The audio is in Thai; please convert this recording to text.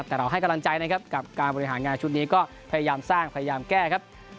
แต่เราให้กำลังใจนะครับกับการบริหารงานชุดนี้ก็พยายามสร้างพยายามแก้ครับ